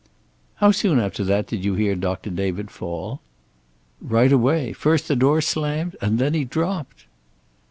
"How soon after that did you hear Doctor David fall?" "Right away. First the door slammed, and then he dropped."